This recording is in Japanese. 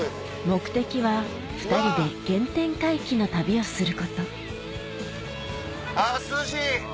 目的は２人で原点回帰の旅をすることあ涼しい！